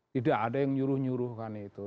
tidak ada yang nyuruh nyuruhkan itu